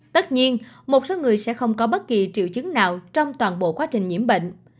tất nhiên một số người sẽ không có bất kỳ triệu chứng nào trong toàn bộ quá trình nhiễm bệnh